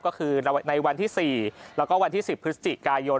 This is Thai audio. ก็คือในวันที่๔แล้วก็วันที่๑๐พฤศจิกายน